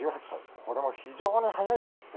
これも非常に早い出世。